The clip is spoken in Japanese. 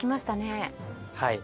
はい。